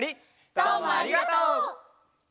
どうもありがとう！